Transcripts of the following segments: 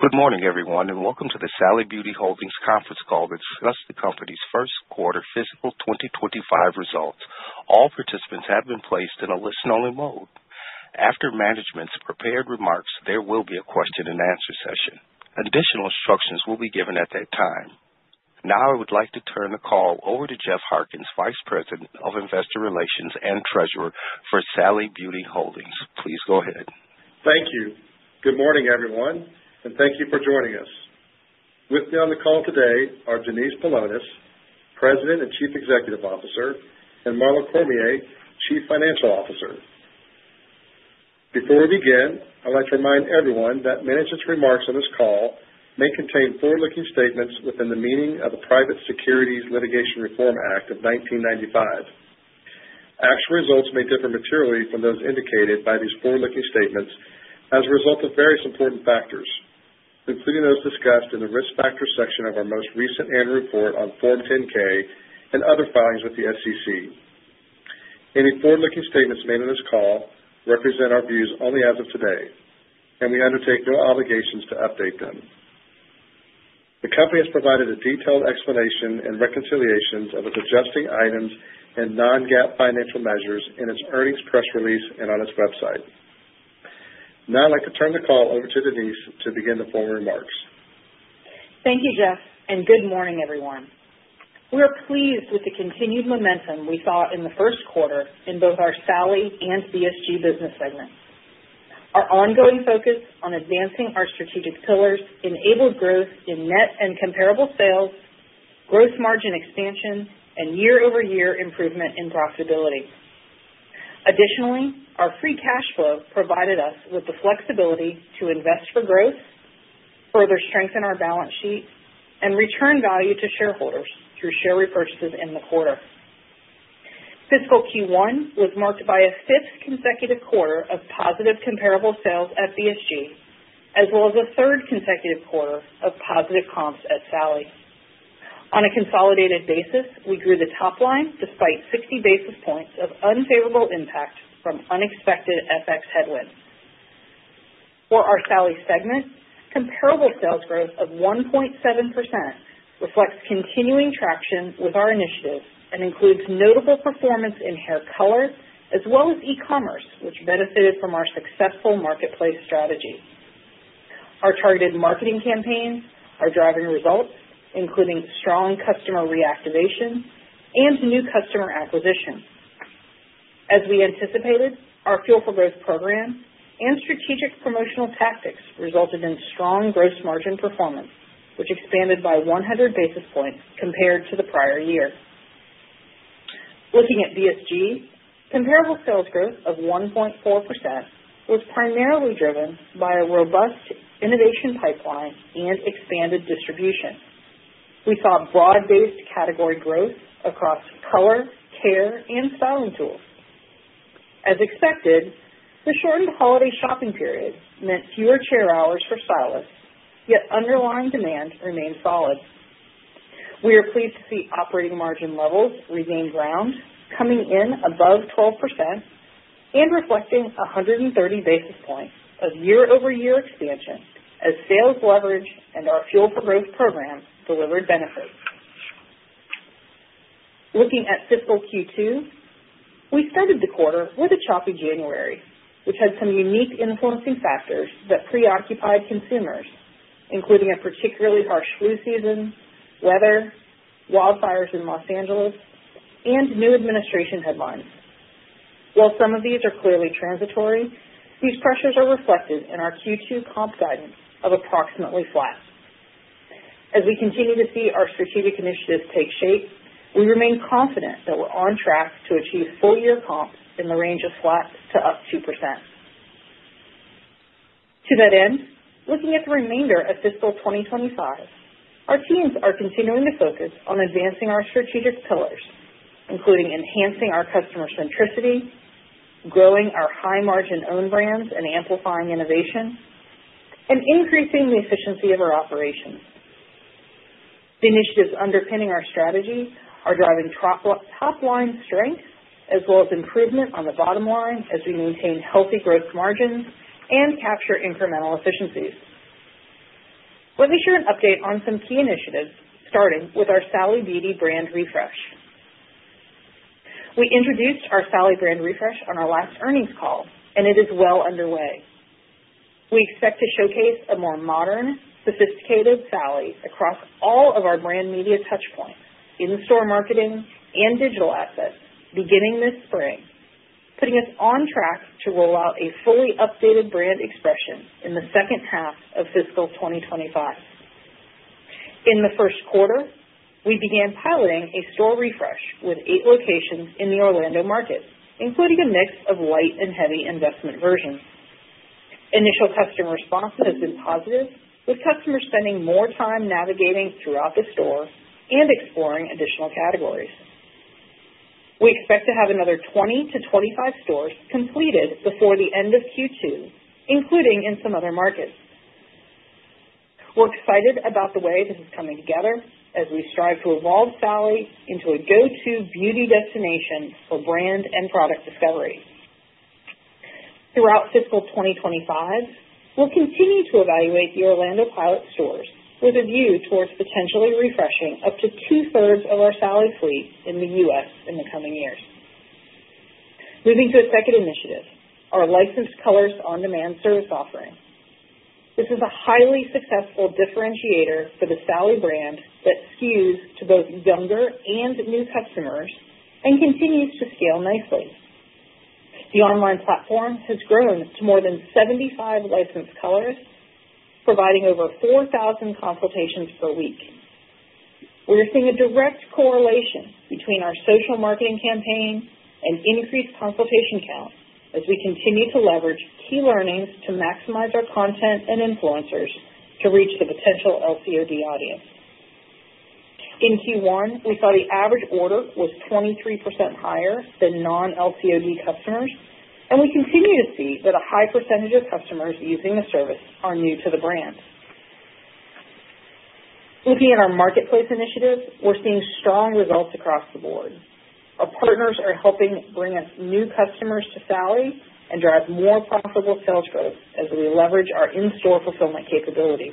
Good morning, everyone, and welcome to the Sally Beauty Holdings conference call that discussed the company's first quarter Fiscal 2025 results. All participants have been placed in a listen-only mode. After management's prepared remarks, there will be a question-and-answer session. Additional instructions will be given at that time. Now, I would like to turn the call over to Jeff Harkins, Vice President of Investor Relations and Treasurer for Sally Beauty Holdings. Please go ahead. Thank you. Good morning, everyone, and thank you for joining us. With me on the call today are Denise Paulonis, President and Chief Executive Officer, and Marlo Cormier, Chief Financial Officer. Before we begin, I'd like to remind everyone that management's remarks on this call may contain forward-looking statements within the meaning of the Private Securities Litigation Reform Act of 1995. Actual results may differ materially from those indicated by these forward-looking statements as a result of various important factors, including those discussed in the risk factor section of our most recent annual report on Form 10-K and other filings with the SEC. Any forward-looking statements made on this call represent our views only as of today, and we undertake no obligations to update them. The company has provided a detailed explanation and reconciliations of its adjusting items and non-GAAP financial measures in its earnings press release and on its website. Now, I'd like to turn the call over to Denise to begin the formal remarks. Thank you, Jeff, and good morning, everyone. We're pleased with the continued momentum we saw in the first quarter in both our Sally and BSG business segments. Our ongoing focus on advancing our strategic pillars enabled growth in net and comparable sales, gross margin expansion, and year-over-year improvement in profitability. Additionally, our free cash flow provided us with the flexibility to invest for growth, further strengthen our balance sheet, and return value to shareholders through share repurchases in the quarter. Fiscal Q1 was marked by a fifth consecutive quarter of positive comparable sales at BSG, as well as a third consecutive quarter of positive comps at Sally. On a consolidated basis, we grew the top line despite 60 basis points of unfavorable impact from unexpected FX headwinds. For our Sally segment, comparable sales growth of 1.7% reflects continuing traction with our initiative and includes notable performance in hair color as well as e-commerce, which benefited from our successful marketplace strategy. Our targeted marketing campaigns are driving results, including strong customer reactivation and new customer acquisition. As we anticipated, our fuel for growth program and strategic promotional tactics resulted in strong gross margin performance, which expanded by 100 basis points compared to the prior year. Looking at BSG, comparable sales growth of 1.4% was primarily driven by a robust innovation pipeline and expanded distribution. We saw broad-based category growth across color, care, and styling tools. As expected, the shortened holiday shopping period meant fewer chair hours for stylists, yet underlying demand remained solid. We are pleased to see operating margin levels regain ground, coming in above 12% and reflecting 130 basis points of year-over-year expansion as sales leveraged and our Fuel for Growth program delivered benefits. Looking at fiscal Q2, we started the quarter with a choppy January, which had some unique influencing factors that preoccupied consumers, including a particularly harsh flu season, weather, wildfires in Los Angeles, and new administration headlines. While some of these are clearly transitory, these pressures are reflected in our Q2 comp guidance of approximately flat. As we continue to see our strategic initiatives take shape, we remain confident that we're on track to achieve full-year comps in the range of flat to up 2%. To that end, looking at the remainder of fiscal 2025, our teams are continuing to focus on advancing our strategic pillars, including enhancing our customer centricity, growing our high-margin owned brands and amplifying innovation, and increasing the efficiency of our operations. The initiatives underpinning our strategy are driving top-line strength as well as improvement on the bottom line as we maintain healthy gross margins and capture incremental efficiencies. Let me share an update on some key initiatives, starting with our Sally Beauty brand refresh. We introduced our Sally brand refresh on our last earnings call, and it is well underway. We expect to showcase a more modern, sophisticated Sally across all of our brand media touchpoints in store marketing and digital assets beginning this spring, putting us on track to roll out a fully updated brand expression in the second half of fiscal 2025. In the first quarter, we began piloting a store refresh with eight locations in the Orlando market, including a mix of light and heavy investment versions. Initial customer responses have been positive, with customers spending more time navigating throughout the store and exploring additional categories. We expect to have another 20-25 stores completed before the end of Q2, including in some other markets. We're excited about the way this is coming together as we strive to evolve Sally into a go-to beauty destination for brand and product discovery. Throughout Fiscal 2025, we'll continue to evaluate the Orlando pilot stores with a view towards potentially refreshing up to two-thirds of our Sally fleet in the U.S. in the coming years. Moving to a second initiative, our licensed colorist on-demand service offering. This is a highly successful differentiator for the Sally brand that skews to both younger and new customers and continues to scale nicely. The online platform has grown to more than 75 licensed colorists, providing over 4,000 consultations per week. We're seeing a direct correlation between our social marketing campaign and increased consultation count as we continue to leverage key learnings to maximize our content and influencers to reach the potential LCOD audience. In Q1, we saw the average order was 23% higher than non-LCOD customers, and we continue to see that a high percentage of customers using the service are new to the brand. Looking at our marketplace initiatives, we're seeing strong results across the board. Our partners are helping bring us new customers to Sally and drive more profitable sales growth as we leverage our in-store fulfillment capabilities.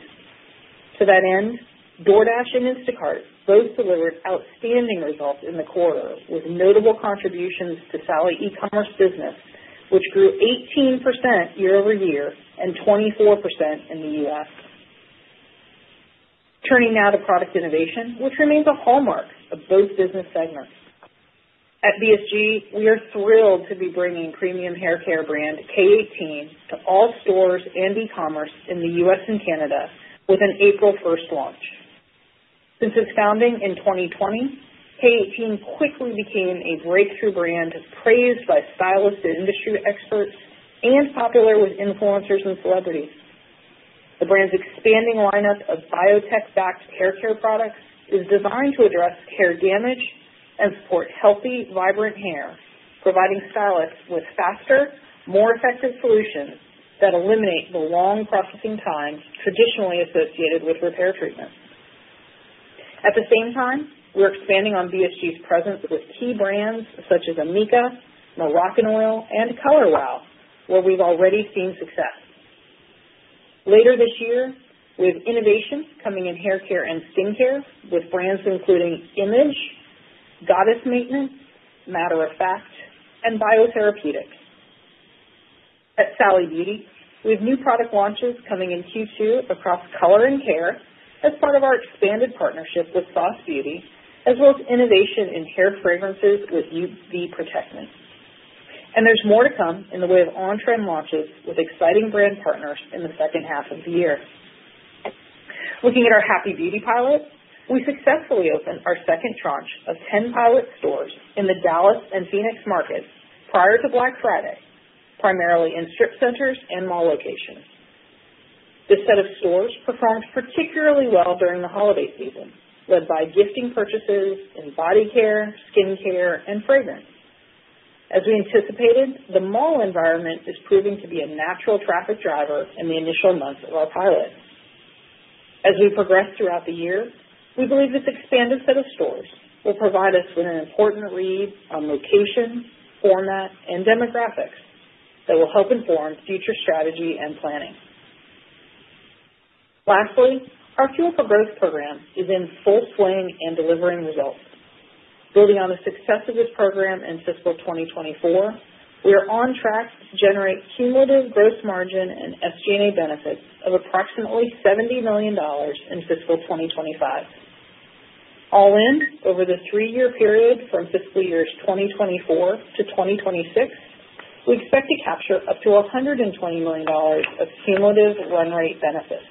To that end, DoorDash and Instacart both delivered outstanding results in the quarter with notable contributions to Sally Beauty e-commerce business, which grew 18% year-over-year and 24% in the U.S. Turning now to product innovation, which remains a hallmark of both business segments. At BSG, we are thrilled to be bringing premium hair care brand K18 to all stores and e-commerce in the U.S. and Canada with an April 1st launch. Since its founding in 2020, K18 quickly became a breakthrough brand praised by stylists and industry experts and popular with influencers and celebrities. The brand's expanding lineup of biotech-backed hair care products is designed to address hair damage and support healthy, vibrant hair, providing stylists with faster, more effective solutions that eliminate the long processing times traditionally associated with repair treatments. At the same time, we're expanding on BSG's presence with key brands such as amika, Moroccanoil, and Color Wow, where we've already seen success. Later this year, we have innovations coming in hair care and skincare with brands including Image, Goddess Maintenance, Matter of Fact, and Bio-Therapeutic. At Sally Beauty, we have new product launches coming in Q2 across color and care as part of our expanded partnership with Sauce Beauty, as well as innovation in hair fragrances with UV protection. And there's more to come in the way of on-trend launches with exciting brand partners in the second half of the year. Looking at our Happy Beauty pilot, we successfully opened our second tranche of 10 pilot stores in the Dallas and Phoenix markets prior to Black Friday, primarily in strip centers and mall locations. This set of stores performed particularly well during the holiday season, led by gifting purchases in body care, skincare, and fragrance. As we anticipated, the mall environment is proving to be a natural traffic driver in the initial months of our pilot. As we progress throughout the year, we believe this expanded set of stores will provide us with an important read on location, format, and demographics that will help inform future strategy and planning. Lastly, our Fuel for Growth program is in full swing and delivering results. Building on the success of this program in fiscal 2024, we are on track to generate cumulative gross margin and SG&A benefits of approximately $70 million in fiscal 2025. All in, over the three-year period from fiscal years 2024-2026, we expect to capture up to $120 million of cumulative run rate benefits.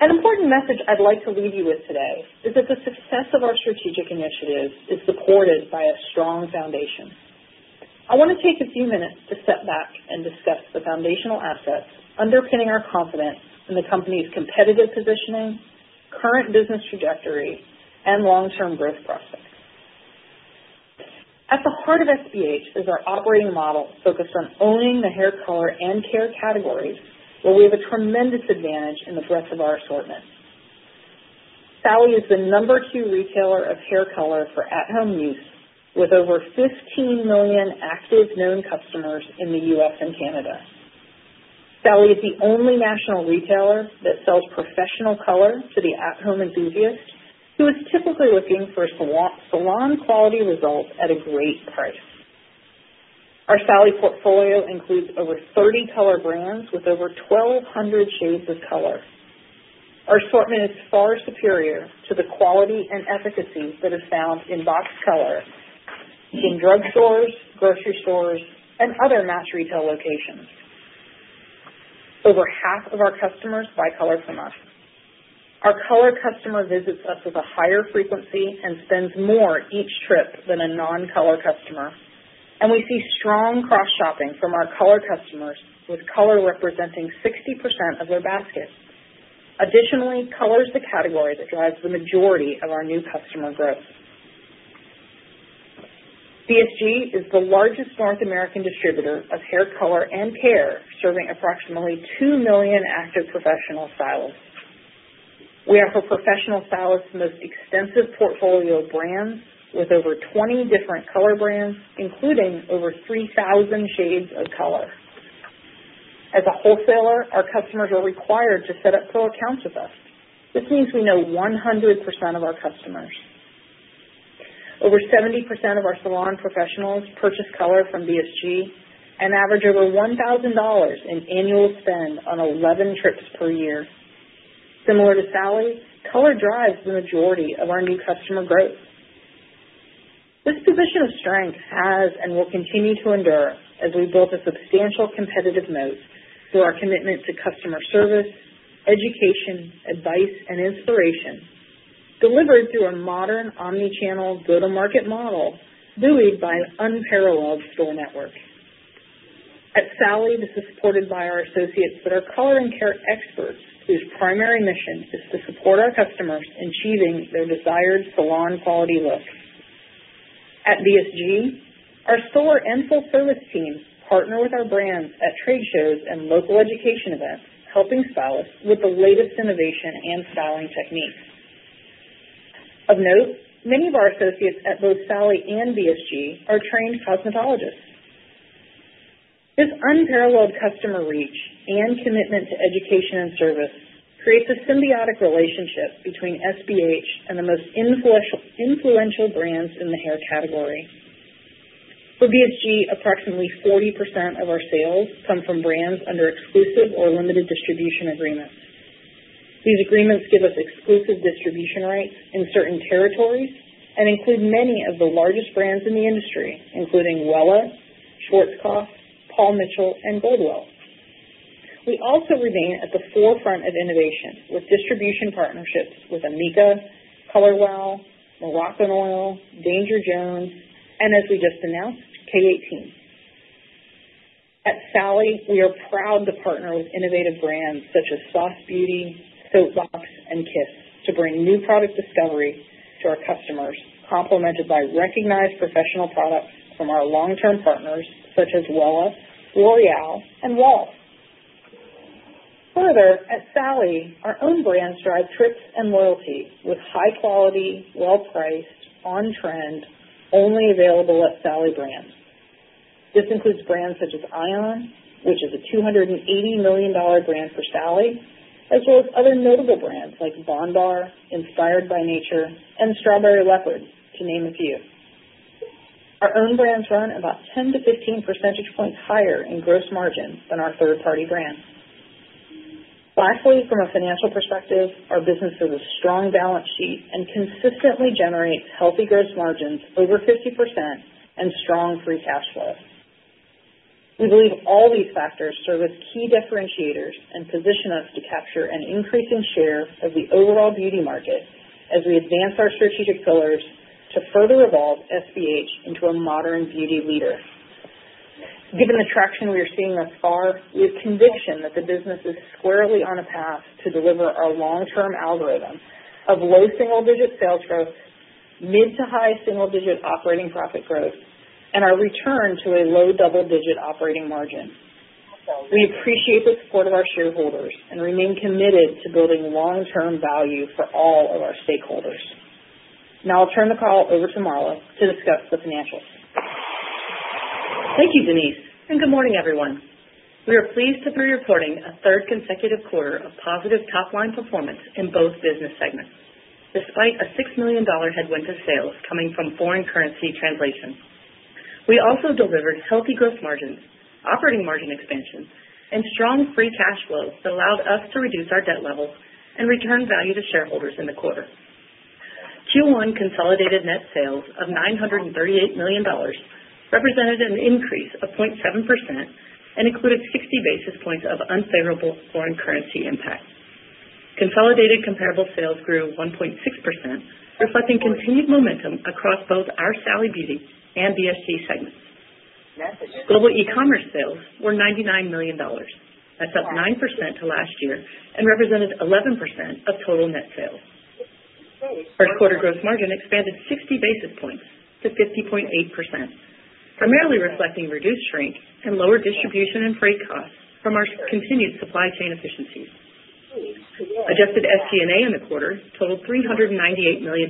An important message I'd like to leave you with today is that the success of our strategic initiatives is supported by a strong foundation. I want to take a few minutes to step back and discuss the foundational assets underpinning our confidence in the company's competitive positioning, current business trajectory, and long-term growth prospects. At the heart of SBH is our operating model focused on owning the hair color and care categories, where we have a tremendous advantage in the breadth of our assortment. Sally is the number two retailer of hair color for at-home use, with over 15 million active known customers in the U.S. and Canada. Sally is the only national retailer that sells professional color to the at-home enthusiast who is typically looking for salon-quality results at a great price. Our Sally portfolio includes over 30 color brands with over 1,200 shades of color. Our assortment is far superior to the quality and efficacy that is found in boxed color in drug stores, grocery stores, and other mass retail locations. Over half of our customers buy color from us. Our color customer visits us with a higher frequency and spends more each trip than a non-color customer, and we see strong cross-shopping from our color customers, with color representing 60% of their basket. Additionally, color is the category that drives the majority of our new customer growth. BSG is the largest North American distributor of hair color and care, serving approximately 2 million active professional stylists. We offer professional stylists the most extensive portfolio of brands with over 20 different color brands, including over 3,000 shades of color. As a wholesaler, our customers are required to set up full accounts with us. This means we know 100% of our customers. Over 70% of our salon professionals purchase color from BSG and average over $1,000 in annual spend on 11 trips per year. Similar to Sally, color drives the majority of our new customer growth. This position of strength has and will continue to endure as we build a substantial competitive moat through our commitment to customer service, education, advice, and inspiration, delivered through a modern omnichannel go-to-market model buoyed by an unparalleled store network. At Sally, this is supported by our associates that are color and care experts, whose primary mission is to support our customers in achieving their desired salon-quality looks. At BSG, our store and full-service teams partner with our brands at trade shows and local education events, helping stylists with the latest innovation and styling techniques. Of note, many of our associates at both Sally and BSG are trained cosmetologists. This unparalleled customer reach and commitment to education and service creates a symbiotic relationship between SBH and the most influential brands in the hair category. For BSG, approximately 40% of our sales come from brands under exclusive or limited distribution agreements. These agreements give us exclusive distribution rights in certain territories and include many of the largest brands in the industry, including Wella, Schwarzkopf, Paul Mitchell, and Goldwell. We also remain at the forefront of innovation with distribution partnerships with amika, Color Wow, Moroccanoil, Danger Jones, and, as we just announced, K18. At Sally, we are proud to partner with innovative brands such as Sauce Beauty, Soapbox, and Kiss to bring new product discovery to our customers, complemented by recognized professional products from our long-term partners such as Wella, L'Oréal, and Wahl. Further, at Sally, our own brands drive trips and loyalty with high-quality, well-priced, on-trend, only-available-at-Sally brands. This includes brands such as ION, which is a $280 million brand for Sally, as well as other notable brands like bondbar, Inspired by Nature, and Strawberry Leopard, to name a few. Our own brands run about 10%-15% points higher in gross margin than our third-party brands. Lastly, from a financial perspective, our business has a strong balance sheet and consistently generates healthy gross margins over 50% and strong free cash flow. We believe all these factors serve as key differentiators and position us to capture an increasing share of the overall beauty market as we advance our strategic pillars to further evolve SBH into a modern beauty leader. Given the traction we are seeing thus far, we have conviction that the business is squarely on a path to deliver our long-term algorithm of low single-digit sales growth, mid to high single-digit operating profit growth, and our return to a low double-digit operating margin. We appreciate the support of our shareholders and remain committed to building long-term value for all of our stakeholders. Now I'll turn the call over to Marlo to discuss the financials. Thank you, Denise, and good morning, everyone. We are pleased to be reporting a third consecutive quarter of positive top-line performance in both business segments, despite a $6 million headwind to sales coming from foreign currency translation. We also delivered healthy gross margins, operating margin expansion, and strong free cash flows that allowed us to reduce our debt levels and return value to shareholders in the quarter. Q1 consolidated net sales of $938 million represented an increase of 0.7% and included 60 basis points of unfavorable foreign currency impact. Consolidated comparable sales grew 1.6%, reflecting continued momentum across both our Sally Beauty and BSG segments. Global e-commerce sales were $99 million. That's up 9% to last year and represented 11% of total net sales. First-quarter gross margin expanded 60 basis points to 50.8%, primarily reflecting reduced shrink and lower distribution and freight costs from our continued supply chain efficiencies. Adjusted SG&A in the quarter totaled $398 million,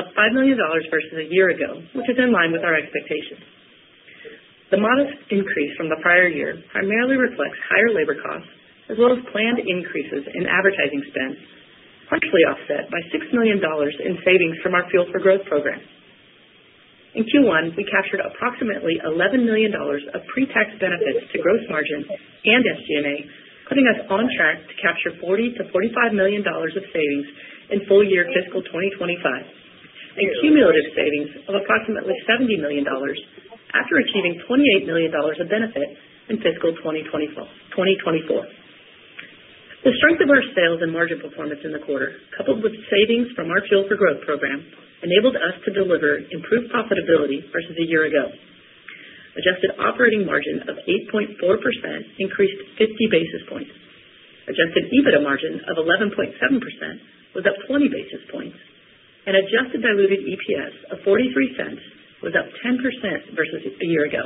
up $5 million versus a year ago, which is in line with our expectations. The modest increase from the prior year primarily reflects higher labor costs as well as planned increases in advertising spend, partially offset by $6 million in savings from our Fuel for Growth program. In Q1, we captured approximately $11 million of pre-tax benefits to gross margin and SG&A, putting us on track to capture $40-$45 million of savings in full year fiscal 2025, and cumulative savings of approximately $70 million after achieving $28 million of benefit in fiscal 2024. The strength of our sales and margin performance in the quarter, coupled with savings from our Fuel for Growth program, enabled us to deliver improved profitability versus a year ago. Adjusted operating margin of 8.4% increased 50 basis points. Adjusted EBITDA margin of 11.7% was up 20 basis points, and adjusted diluted EPS of $0.43 was up 10% versus a year ago.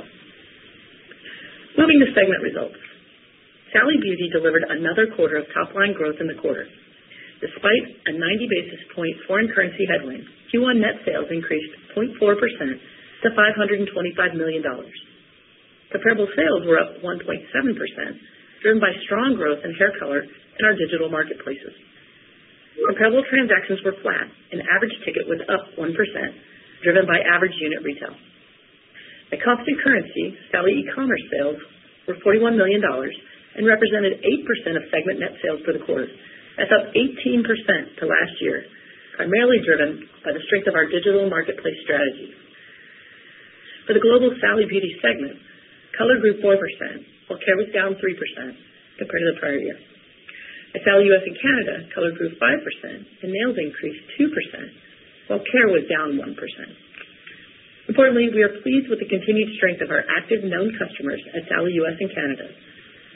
Moving to segment results, Sally Beauty delivered another quarter of top-line growth in the quarter. Despite a 90 basis point foreign currency headwind, Q1 net sales increased 0.4% to $525 million. Comparable sales were up 1.7%, driven by strong growth in hair color in our digital marketplaces. Comparable transactions were flat, and average ticket was up 1%, driven by average unit retail. At constant currency, Sally e-commerce sales were $41 million and represented 8% of segment net sales for the quarter. That's up 18% to last year, primarily driven by the strength of our digital marketplace strategy. For the global Sally Beauty segment, color grew 4%, while care was down 3% compared to the prior year. At Sally U.S. and Canada, color grew 5%, and nails increased 2%, while care was down 1%. Importantly, we are pleased with the continued strength of our active known customers at Sally U.S. and Canada.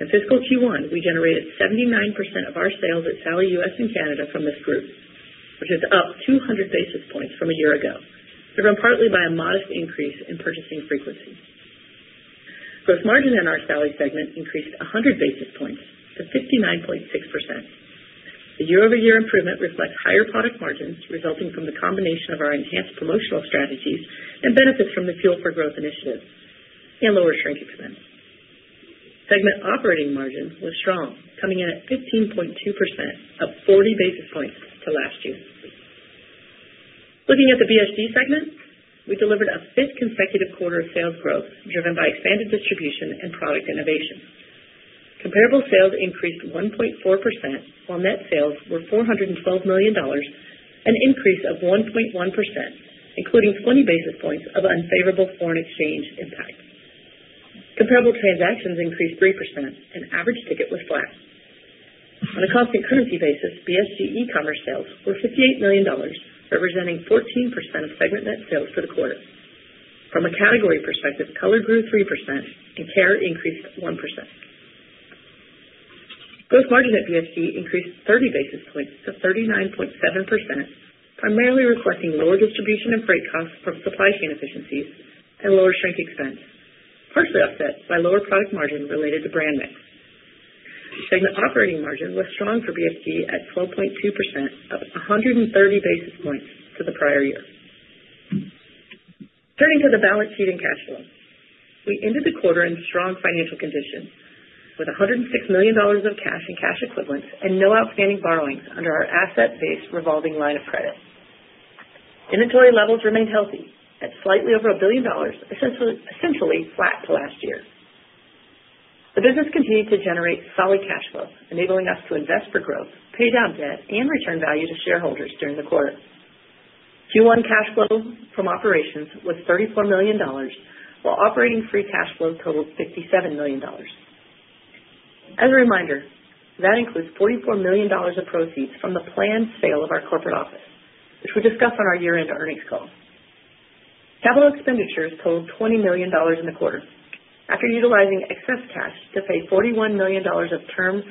In fiscal Q1, we generated 79% of our sales at Sally U.S. and Canada from this group, which is up 200 basis points from a year ago, driven partly by a modest increase in purchasing frequency. Gross margin in our Sally segment increased 100 basis points to 59.6%. The year-over-year improvement reflects higher product margins resulting from the combination of our enhanced promotional strategies and benefits from the Fuel for Growth initiative and lower shrink expense. Segment operating margin was strong, coming in at 15.2%, up 40 basis points to last year. Looking at the BSG segment, we delivered a fifth consecutive quarter of sales growth driven by expanded distribution and product innovation. Comparable sales increased 1.4%, while net sales were $412 million, an increase of 1.1%, including 20 basis points of unfavorable foreign exchange impact. Comparable transactions increased 3%, and average ticket was flat. On a cost and currency basis, BSG e-commerce sales were $58 million, representing 14% of segment net sales for the quarter. From a category perspective, color grew 3%, and care increased 1%. Gross margin at BSG increased 30 basis points to 39.7%, primarily reflecting lower distribution and freight costs from supply chain efficiencies and lower shrink expense, partially offset by lower product margin related to brand mix. Segment operating margin was strong for BSG at 12.2%, up 130 basis points to the prior year. Turning to the balance sheet and cash flow, we ended the quarter in strong financial conditions with $106 million of cash and cash equivalents and no outstanding borrowings under our asset-based revolving line of credit. Inventory levels remained healthy at slightly over a billion dollars, essentially flat to last year. The business continued to generate solid cash flow, enabling us to invest for growth, pay down debt, and return value to shareholders during the quarter. Q1 cash flow from operations was $34 million, while operating free cash flow totaled $57 million. As a reminder, that includes $44 million of proceeds from the planned sale of our corporate office, which we discussed on our year-end earnings call. Capital expenditures totaled $20 million in the quarter. After utilizing excess cash to pay $41 million of Term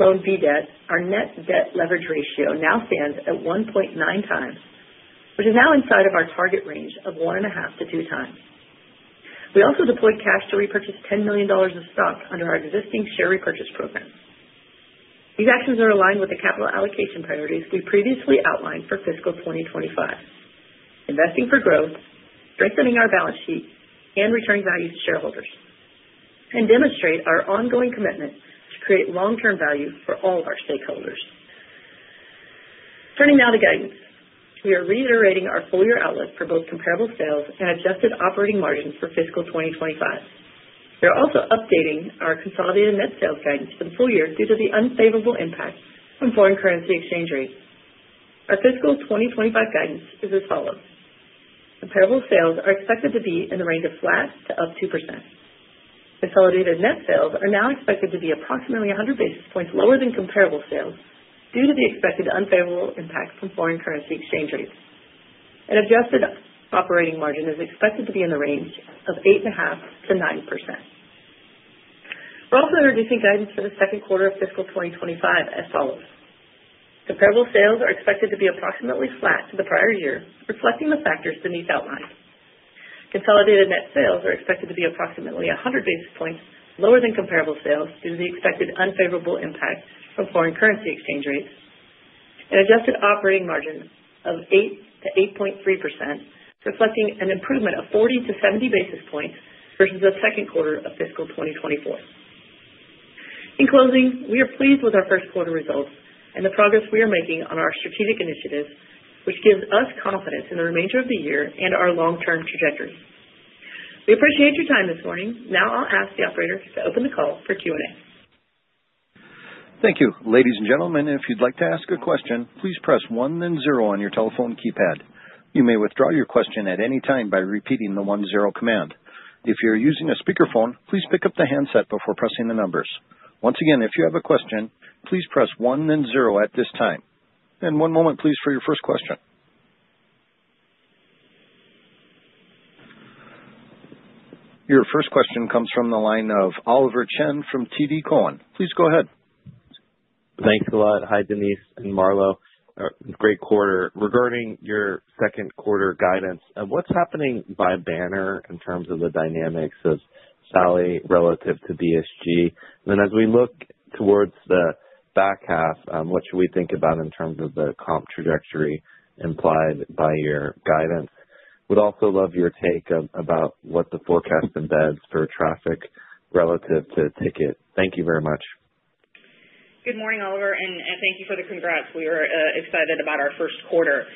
Loan B debt, our net debt leverage ratio now stands at 1.9 times, which is now inside of our target range of one and a half to two times. We also deployed cash to repurchase $10 million of stock under our existing share repurchase program. These actions are aligned with the capital allocation priorities we previously outlined for Fiscal 2025: investing for growth, strengthening our balance sheet, and returning value to shareholders, and demonstrate our ongoing commitment to create long-term value for all of our stakeholders. Turning now to guidance, we are reiterating our full year outlook for both comparable sales and adjusted operating margins for Fiscal 2025. We are also updating our consolidated net sales guidance for the full year due to the unfavorable impact from foreign currency exchange rates. Our Fiscal 2025 guidance is as follows. Comparable sales are expected to be in the range of flat to up 2%. Consolidated net sales are now expected to be approximately 100 basis points lower than comparable sales due to the expected unfavorable impact from foreign currency exchange rates. An adjusted operating margin is expected to be in the range of 8.5%-9%. We're also introducing guidance for the second quarter of fiscal 2025 as follows. Comparable sales are expected to be approximately flat to the prior year, reflecting the factors Denise outlined. Consolidated net sales are expected to be approximately 100 basis points lower than comparable sales due to the expected unfavorable impact from foreign currency exchange rates. An adjusted operating margin of 8%-8.3%, reflecting an improvement of 40-70 basis points versus the second quarter of fiscal 2024. In closing, we are pleased with our first quarter results and the progress we are making on our strategic initiatives, which gives us confidence in the remainder of the year and our long-term trajectory. We appreciate your time this morning. Now I'll ask the operators to open the call for Q&A. Thank you. Ladies and gentlemen, if you'd like to ask a question, please press one then zero on your telephone keypad. You may withdraw your question at any time by repeating the one, command. If you're using a speakerphone, please pick up the handset before pressing the numbers. Once again, if you have a question, please press one then zero at this time. And one moment, please, for your first question. Your first question comes from the line of Oliver Chen from TD Cowen. Please go ahead. Thanks a lot. Hi, Denise and Marlo. Great quarter. Regarding your second quarter guidance, what's happening by banner in terms of the dynamics of Sally relative to BSG? And then as we look towards the back half, what should we think about in terms of the comp trajectory implied by your guidance? Would also love your take about what the forecast embeds for traffic relative to ticket. Thank you very much. Good morning, Oliver, and thank you for the congrats. We are excited about our first quarter.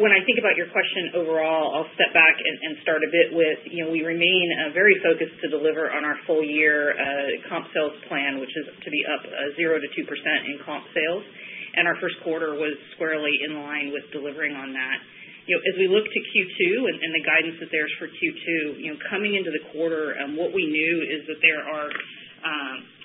When I think about your question overall, I'll step back and start a bit with we remain very focused to deliver on our full year comp sales plan, which is to be up 0-2% in comp sales, and our first quarter was squarely in line with delivering on that. As we look to Q2 and the guidance that there is for Q2, coming into the quarter, what we knew is that there are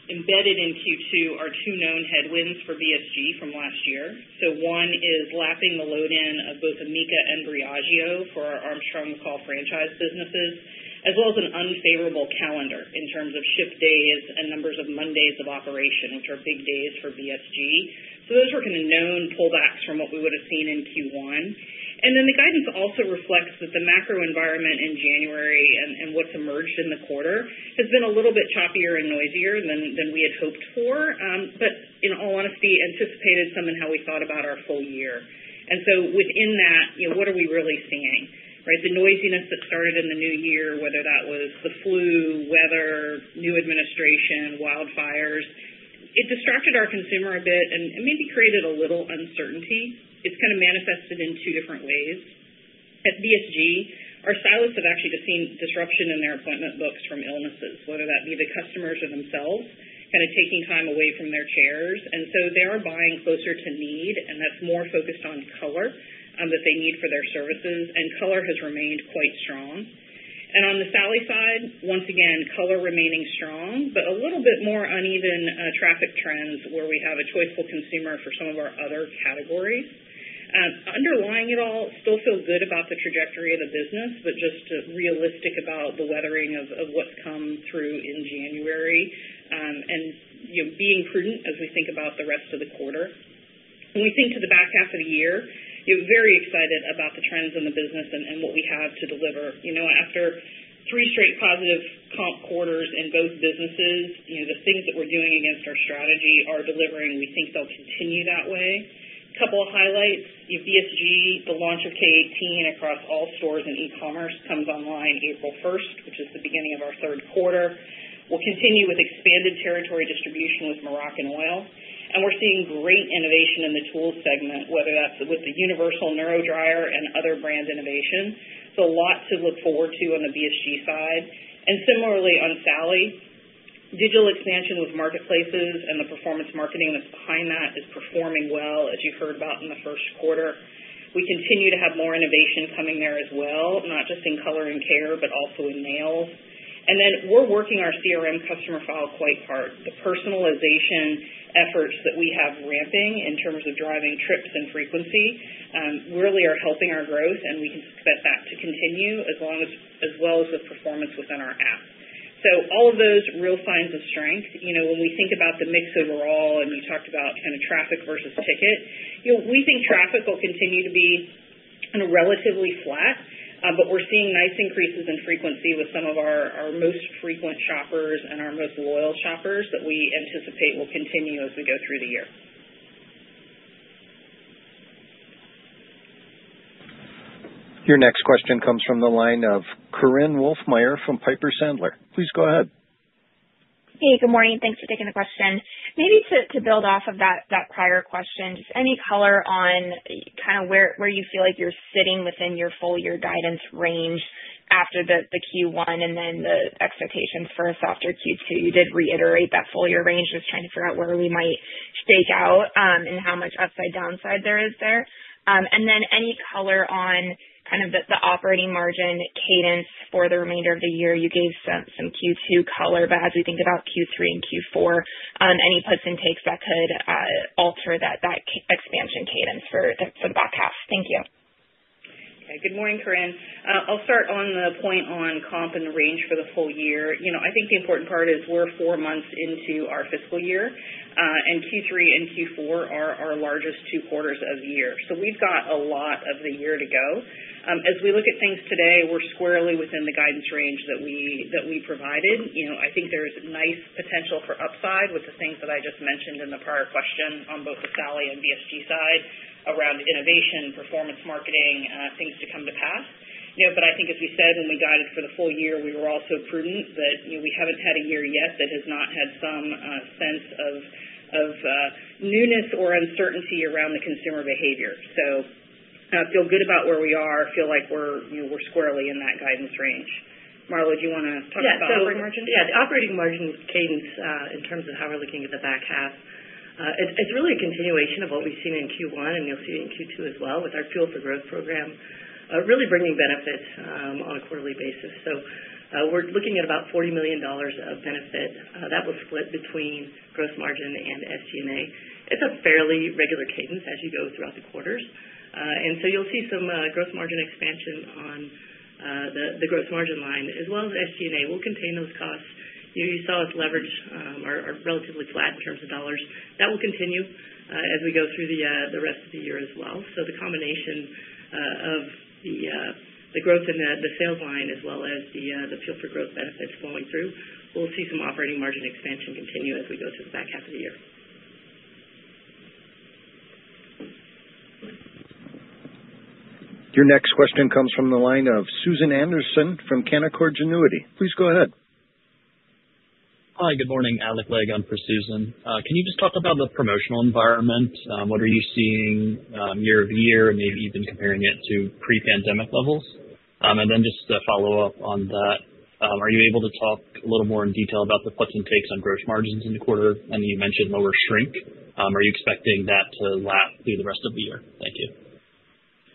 embedded in Q2 two known headwinds for BSG from last year. So one is lapping the load-in of both amika and Briogeo for our Armstrong McCall franchise businesses, as well as an unfavorable calendar in terms of shift days and numbers of Mondays of operation, which are big days for BSG. So those were kind of known pullbacks from what we would have seen in Q1. And then the guidance also reflects that the macro environment in January and what's emerged in the quarter has been a little bit choppier and noisier than we had hoped for, but in all honesty, anticipated some in how we thought about our full year. And so within that, what are we really seeing? The noisiness that started in the new year, whether that was the flu, weather, new administration, wildfires, it distracted our consumer a bit and maybe created a little uncertainty. It's kind of manifested in two different ways. At BSG, our have actually just seen disruption in their appointment books from illnesses, whether that be the customers or themselves, kind of taking time away from their chairs. And so they are buying closer to need, and that's more focused on color that they need for their services, and color has remained quite strong. And on the Sally side, once again, color remaining strong, but a little bit more uneven traffic trends where we have a choiceful consumer for some of our other categories. Underlying it all, still feel good about the trajectory of the business, but just realistic about the weathering of what's come through in January and being prudent as we think about the rest of the quarter. When we think to the back half of the year, very excited about the trends in the business and what we have to deliver. After three straight positive comp quarters in both businesses, the things that we're doing against our strategy are delivering. We think they'll continue that way. A couple of highlights. BSG, the launch of K18 across all stores and e-commerce comes online April 1st, which is the beginning of our third quarter. We'll continue with expanded territory distribution with Moroccanoil. And we're seeing great innovation in the tools segment, whether that's with the Universal NeuroDryer and other brand innovation. So a lot to look forward to on the BSG side. And similarly on Sally, digital expansion with marketplaces and the performance marketing that's behind that is performing well, as you heard about in the first quarter. We continue to have more innovation coming there as well, not just in color and care, but also in nails. And then we're working our CRM customer file quite hard. The personalization efforts that we have ramping in terms of driving trips and frequency really are helping our growth, and we can expect that to continue as well as the performance within our app. So all of those real signs of strength. When we think about the mix overall and we talked about kind of traffic versus ticket, we think traffic will continue to be relatively flat, but we're seeing nice increases in frequency with some of our most frequent shoppers and our most loyal shoppers that we anticipate will continue as we go through the year. Your next question comes from the line of Korinne Wolfmeyer from Piper Sandler. Please go ahead. Hey, good morning. Thanks for taking the question. Maybe to build off of that prior question, just any color on kind of where you feel like you're sitting within your full year guidance range after the Q1 and then the expectations for a softer Q2. You did reiterate that full year range, just trying to figure out where we might stake out and how much upside downside there is there. And then any color on kind of the operating margin cadence for the remainder of the year. You gave some Q2 color, but as we think about Q3 and Q4, any puts and takes that could alter that expansion cadence for the back half. Thank you. Okay. Good morning, Corinne. I'll start on the point on comp and range for the full year. I think the important part is we're four months into our fiscal year, and Q3 and Q4 are our largest two quarters of the year. So we've got a lot of the year to go. As we look at things today, we're squarely within the guidance range that we provided. I think there's nice potential for upside with the things that I just mentioned in the prior question on both the Sally and BSG side around innovation, performance marketing, things to come to pass. But I think, as we said, when we guided for the full year, we were also prudent that we haven't had a year yet that has not had some sense of newness or uncertainty around the consumer behavior. So feel good about where we are, feel like we're squarely in that guidance range. Marlo, do you want to talk about operating margins? Yeah. The operating margins cadence in terms of how we're looking at the back half, it's really a continuation of what we've seen in Q1, and you'll see it in Q2 as well with our Fuel for Growth program really bringing benefits on a quarterly basis. So we're looking at about $40 million of benefit that will split between gross margin and SG&A. It's a fairly regular cadence as you go throughout the quarters. And so you'll see some gross margin expansion on the gross margin line, as well as SG&A. We'll contain those costs. You saw us leverage SG&A relatively flat in terms of dollars. That will continue as we go through the rest of the year as well. So the combination of the growth and the sales line as well as the fuel for growth benefits flowing through, we'll see some operating margin expansion continue as we go through the back half of the year. Your next question comes from the line of Susan Anderson from Canaccord Genuity. Please go ahead. Hi, good morning. Alec Legg for Susan. Can you just talk about the promotional environment? What are you seeing year over year, maybe even comparing it to pre-pandemic levels? And then just to follow up on that, are you able to talk a little more in detail about the puts and takes on gross margins in the quarter? I know you mentioned lower shrink. Are you expecting that to last through the rest of the year? Thank you.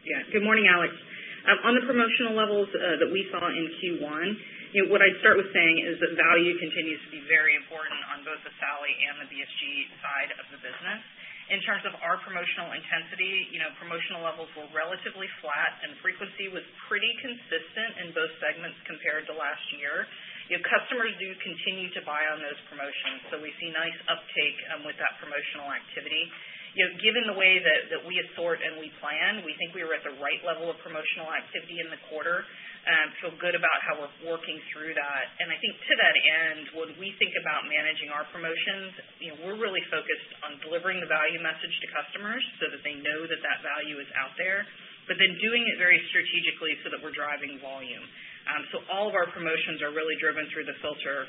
Yeah. Good morning, Alec. On the promotional levels that we saw in Q1, what I'd start with saying is that value continues to be very important on both the Sally and the BSG side of the business. In terms of our promotional intensity, promotional levels were relatively flat, and frequency was pretty consistent in both segments compared to last year. Customers do continue to buy on those promotions, so we see nice uptake with that promotional activity. Given the way that we assort and we plan, we think we were at the right level of promotional activity in the quarter. We feel good about how we're working through that, and I think to that end, when we think about managing our promotions, we're really focused on delivering the value message to customers so that they know that that value is out there, but then doing it very strategically so that we're driving volume. All of our promotions are really driven through the filter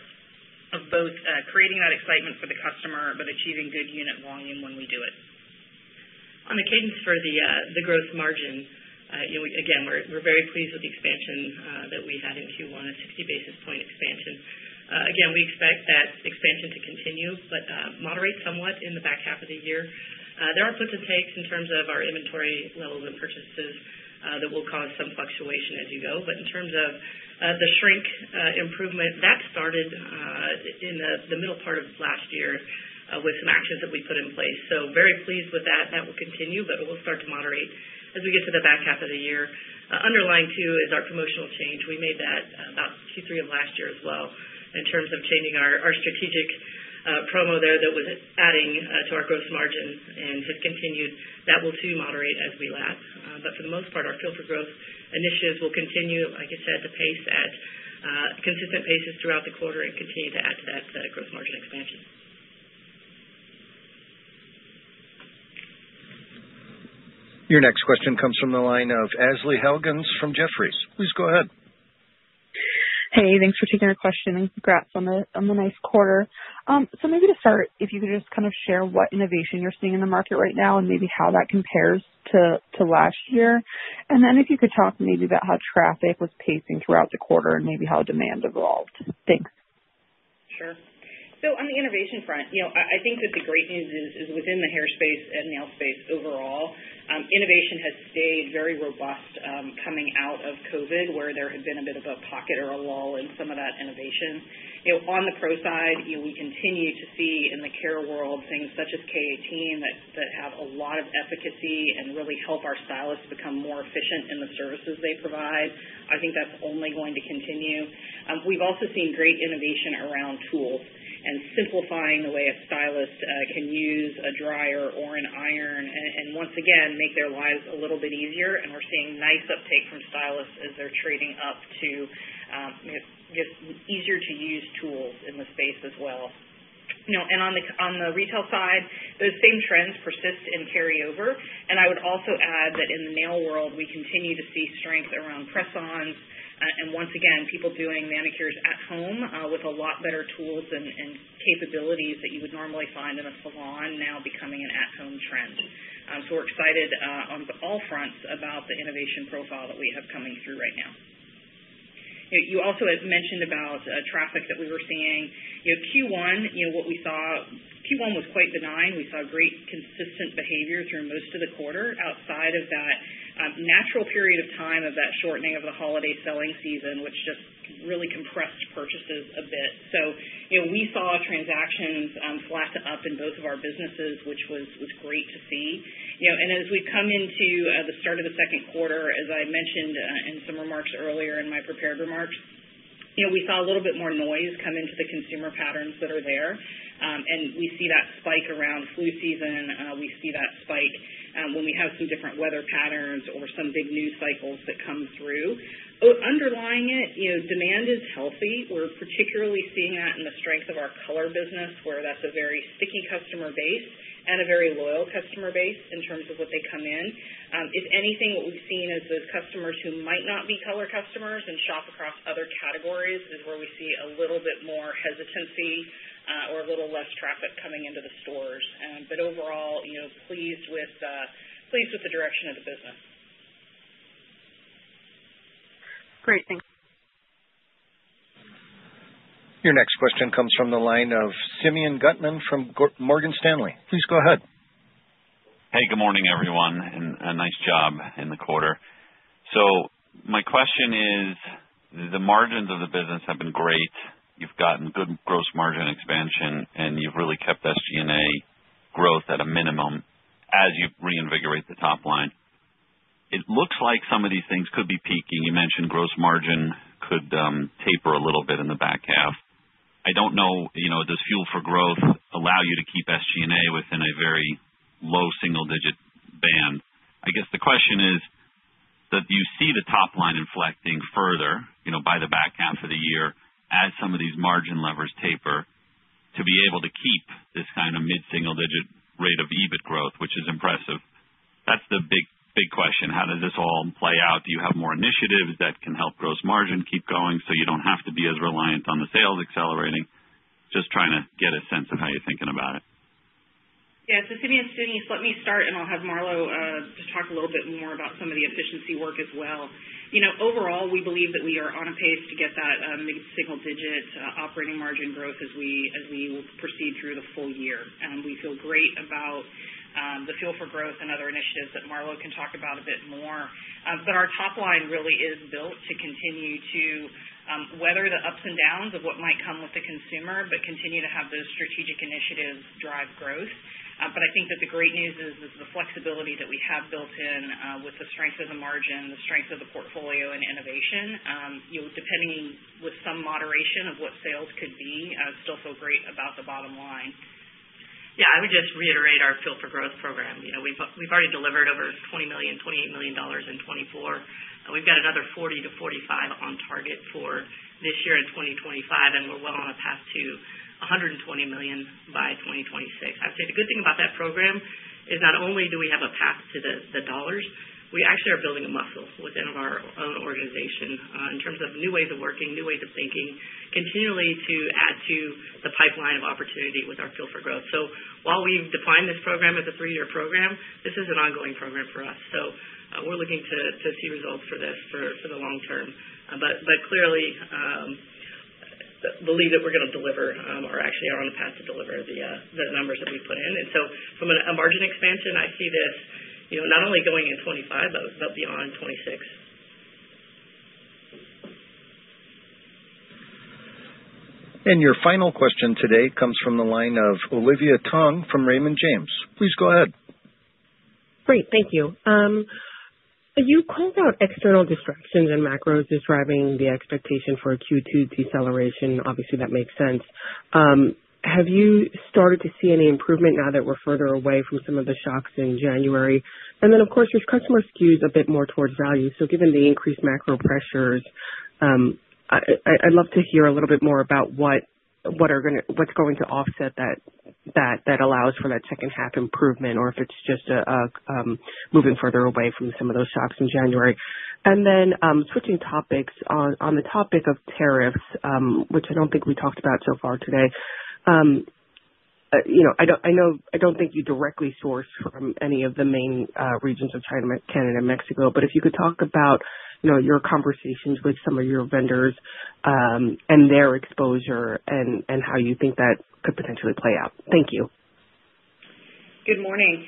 of both creating that excitement for the customer but achieving good unit volume when we do it. On the cadence for the gross margin, again, we're very pleased with the expansion that we had in Q1, a 60 basis points expansion. Again, we expect that expansion to continue, but moderate somewhat in the back half of the year. There are puts and takes in terms of our inventory levels and purchases that will cause some fluctuation as you go. But in terms of the shrink improvement, that started in the middle part of last year with some actions that we put in place. Very pleased with that. That will continue, but we'll start to moderate as we get to the back half of the year. Underlying too is our promotional change. We made that about Q3 of last year as well in terms of changing our strategic promo there that was adding to our gross margin and has continued. That will too moderate as we lap. But for the most part, our Fuel for Growth initiatives will continue, like I said, to pace at consistent paces throughout the quarter and continue to add to that gross margin expansion. Your next question comes from the line of Ashley Helgans from Jefferies. Please go ahead. Hey, thanks for taking our question and congrats on the nice quarter. So maybe to start, if you could just kind of share what innovation you're seeing in the market right now and maybe how that compares to last year. And then if you could talk maybe about how traffic was pacing throughout the quarter and maybe how demand evolved. Thanks. Sure. On the innovation front, I think that the great news is within the hairspace and nail space overall, innovation has stayed very robust coming out of COVID, where there had been a bit of a pocket or a lull in some of that innovation. On the pro side, we continue to see in the care world things such as K18 that have a lot of efficacy and really help our stylists become more efficient in the services they provide. I think that's only going to continue. We've also seen great innovation around tools and simplifying the way a stylist can use a dryer or an iron and once again make their lives a little bit easier. And we're seeing nice uptake from stylists as they're trading up to just easier-to-use tools in the space as well. And on the retail side, those same trends persist and carry over. I would also add that in the nail world, we continue to see strength around press-ons. Once again, people doing manicures at home with a lot better tools and capabilities that you would normally find in a salon now becoming an at-home trend. We're excited on all fronts about the innovation profile that we have coming through right now. You also had mentioned about traffic that we were seeing. Q1, what we saw, Q1 was quite benign. We saw great consistent behavior through most of the quarter outside of that natural period of time of that shortening of the holiday selling season, which just really compressed purchases a bit. We saw transactions flatten up in both of our businesses, which was great to see. And as we come into the start of the second quarter, as I mentioned in some remarks earlier in my prepared remarks, we saw a little bit more noise come into the consumer patterns that are there. And we see that spike around flu season. We see that spike when we have some different weather patterns or some big news cycles that come through. Underlying it, demand is healthy. We're particularly seeing that in the strength of our color business, where that's a very sticky customer base and a very loyal customer base in terms of what they come in. If anything, what we've seen is those customers who might not be color customers and shop across other categories is where we see a little bit more hesitancy or a little less traffic coming into the stores. But overall, pleased with the direction of the business. Great. Thanks. Your next question comes from the line of Simeon Gutman from Morgan Stanley. Please go ahead. Hey, good morning, everyone, and nice job in the quarter. So my question is, the margins of the business have been great. You've gotten good gross margin expansion, and you've really kept SG&A growth at a minimum as you reinvigorate the top line. It looks like some of these things could be peaking. You mentioned gross margin could taper a little bit in the back half. I don't know, does fuel for growth allow you to keep SG&A within a very low single-digit band? I guess the question is that you see the top line inflecting further by the back half of the year as some of these margin levers taper to be able to keep this kind of mid-single-digit rate of EBIT growth, which is impressive. That's the big question. How does this all play out? Do you have more initiatives that can help gross margin keep going so you don't have to be as reliant on the sales accelerating? Just trying to get a sense of how you're thinking about it. Yeah, so Simeon and Susan, let me start, and I'll have Marlo to talk a little bit more about some of the efficiency work as well. Overall, we believe that we are on a pace to get that mid-single-digit operating margin growth as we proceed through the full year. We feel great about the Fuel for Growth and other initiatives that Marlo can talk about a bit more. But our top line really is built to continue to weather the ups and downs of what might come with the consumer, but continue to have those strategic initiatives drive growth. But I think that the great news is the flexibility that we have built in with the strength of the margin, the strength of the portfolio, and innovation, depending with some moderation of what sales could be, still feel great about the bottom line. Yeah. I would just reiterate our Fuel for Growth program. We've already delivered over $20 million, $28 million in 2024. We've got another $40-$45 million on target for this year and 2025, and we're well on a path to $120 million by 2026. I'd say the good thing about that program is not only do we have a path to the dollars, we actually are building a muscle within our own organization in terms of new ways of working, new ways of thinking, continually to add to the pipeline of opportunity with our Fuel for Growth. So while we've defined this program as a three-year program, this is an ongoing program for us. So we're looking to see results for this for the long term. But clearly, believe that we're going to deliver or actually are on a path to deliver the numbers that we've put in. And so from a margin expansion, I see this not only going in 2025, but beyond 2026. And your final question today comes from the line of Olivia Tong from Raymond James. Please go ahead. Great. Thank you. You called out external distractions and macros describing the expectation for Q2 deceleration. Obviously, that makes sense. Have you started to see any improvement now that we're further away from some of the shocks in January? And then, of course, there's customer skews a bit more towards value. So given the increased macro pressures, I'd love to hear a little bit more about what's going to offset that allows for that second-half improvement, or if it's just moving further away from some of those shocks in January. And then switching topics, on the topic of tariffs, which I don't think we talked about so far today, I don't think you directly source from any of the main regions of China, Canada, and Mexico. But if you could talk about your conversations with some of your vendors and their exposure and how you think that could potentially play out. Thank you. Good morning.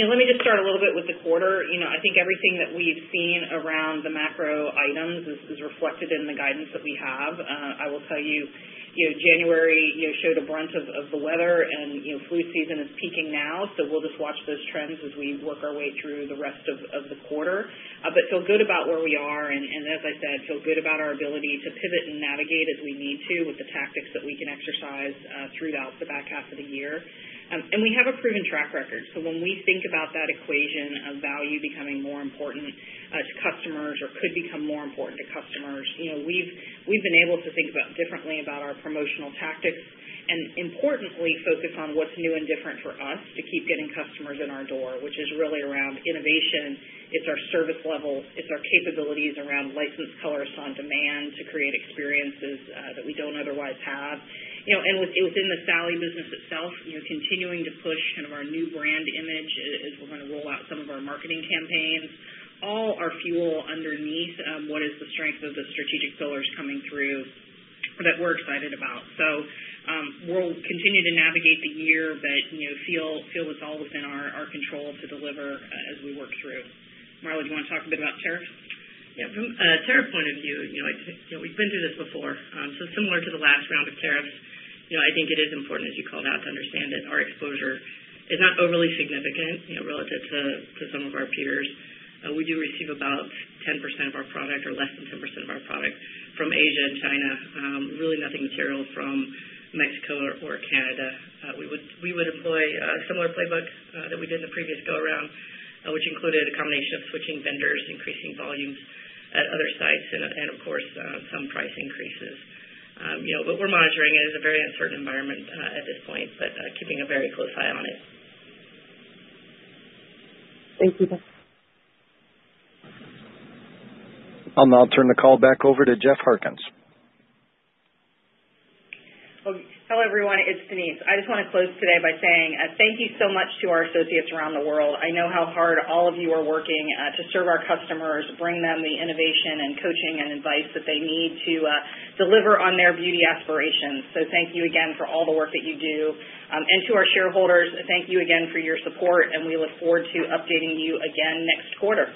Let me just start a little bit with the quarter. I think everything that we've seen around the macro items is reflected in the guidance that we have. I will tell you January showed a brunt of the weather, and flu season is peaking now. We'll just watch those trends as we work our way through the rest of the quarter. But feel good about where we are. And as I said, feel good about our ability to pivot and navigate as we need to with the tactics that we can exercise throughout the back half of the year. And we have a proven track record. So when we think about that equation of value becoming more important to customers or could become more important to customers, we've been able to think about differently about our promotional tactics and, importantly, focus on what's new and different for us to keep getting customers in our door, which is really around innovation. It's our service level. It's our capabilities around Licensed Colorist on Demand to create experiences that we don't otherwise have. And within the Sally business itself, continuing to push kind of our new brand image as we're going to roll out some of our marketing campaigns. All are fuel underneath what is the strength of the strategic pillars coming through that we're excited about. So we'll continue to navigate the year, but feel it's all within our control to deliver as we work through. Marlo, do you want to talk a bit about tariffs? Yeah. From a tariff point of view, we've been through this before. So similar to the last round of tariffs, I think it is important, as you called out, to understand that our exposure is not overly significant relative to some of our peers. We do receive about 10% of our product or less than 10% of our product from Asia and China. Really nothing material from Mexico or Canada. We would employ a similar playbook that we did in the previous go-around, which included a combination of switching vendors, increasing volumes at other sites, and, of course, some price increases. But we're monitoring it. It's a very uncertain environment at this point, but keeping a very close eye on it. Thank you. I'll now turn the call back over to Jeff Harkins. Hello, everyone. It's Denise. I just want to close today by saying thank you so much to our associates around the world. I know how hard all of you are working to serve our customers, bring them the innovation and coaching and advice that they need to deliver on their beauty aspirations. So thank you again for all the work that you do, and to our shareholders, thank you again for your support, and we look forward to updating you again next quarter.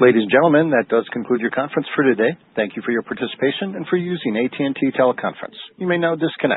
Ladies and gentlemen, that does conclude your conference for today. Thank you for your participation and for using AT&T Teleconference. You may now disconnect.